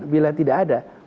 bila tidak ada